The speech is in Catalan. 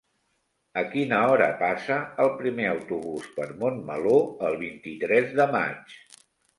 A quina hora passa el primer autobús per Montmeló el vint-i-tres de maig?